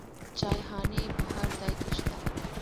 چایخانې په هر ځای کې شته.